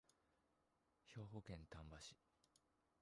兵庫県丹波市